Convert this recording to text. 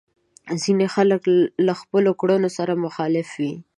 ځينې خلک له خپلو کړنو سره مخالف وي.